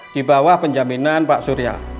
di bawah penjaminan pak surya